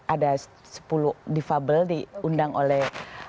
ada sepuluh defable diundang oleh